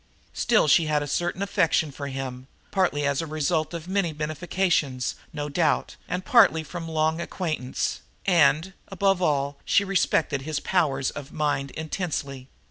Still she had a certain affection for him, partly as the result of many benefactions, no doubt, and partly from long acquaintance; and, above all, she respected his powers of mind intensely.